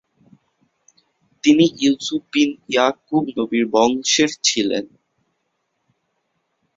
তিনি ইউসুফ বিন ইয়াকুব নবীর বংশের ছিলেন।